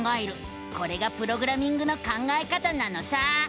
これがプログラミングの考え方なのさ！